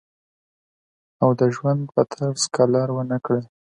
او د ژوند پۀ طرز کلر ونۀ کړي